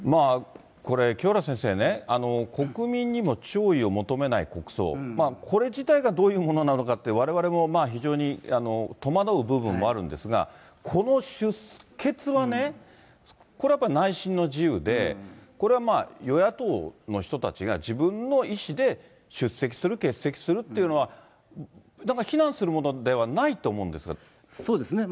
これ、清原先生ね、国民にも弔意を求めない国葬、これ自体がどういうものなのかって、われわれも、まあ非常に戸惑う部分もあるんですが、この出欠はね、これはやっぱり内心の自由で、これは与野党の人たちが自分の意思で出席する、欠席するっていうのは、なんか非難するものではないと思うんですそうですね。